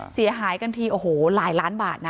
เสียหายกันทีโอ้โหหลายล้านบาทนะ